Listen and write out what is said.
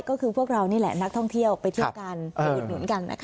ก็คือพวกเรานี่แหละนักท่องเที่ยวไปที่การเหมือนกัน